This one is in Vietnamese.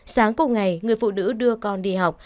sáng cùng ngày người phụ nữ đưa con đi học